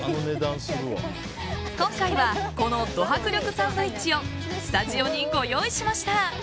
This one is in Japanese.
今回はこのド迫力サンドイッチをスタジオにご用意しました。